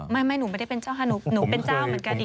ไม่หนูไม่ได้เป็นเจ้าค่ะหนูเป็นเจ้าเหมือนกันอีก